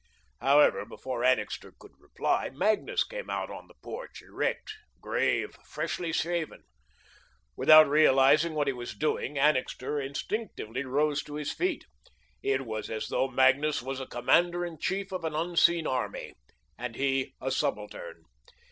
However, before Annixter could reply, Magnus came out on the porch, erect, grave, freshly shaven. Without realising what he was doing, Annixter instinctively rose to his feet. It was as though Magnus was a commander in chief of an unseen army, and he a subaltern.